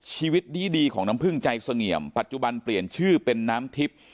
ชีวิตดีของน้ำพึ่งใจเสงี่ยมปัจจุบันเปลี่ยนชื่อเป็นน้ำทิพย์